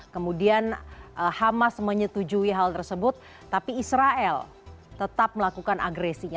kemudian hamas menyetujui hal tersebut tapi israel tetap melakukan agresinya